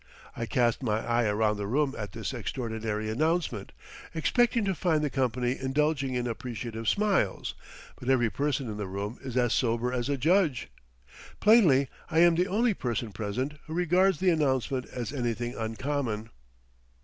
I cast my eye around the room at this extraordinary announcement, expecting to find the company indulging in appreciative smiles, but every person in the room is as sober as a judge; plainly, I am the only person present who regards the announcement as anything uncommon.